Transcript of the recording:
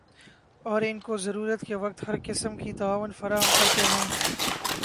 اور ان کو ضرورت کے وقت ہر قسم کی تعاون فراہم کرتے ہیں ۔